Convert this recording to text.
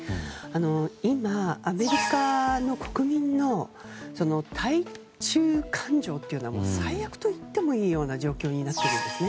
今、アメリカの国民の対中感情というのは最悪と言ってもいいような状況になっているんですね。